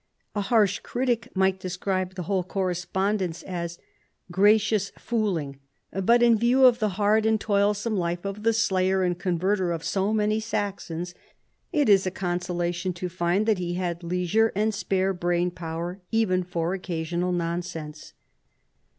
A harsh critic might describe the whole correspondence as " gra cious fooling," but in view of the hard and toilsome life of the slayer and converter of so many Saxons, it is a consolation to find that he had leisure and spare brain power even for occasional nonsense.